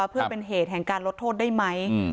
เพื่อเป็นเหตุแห่งการลดโทษได้ไหม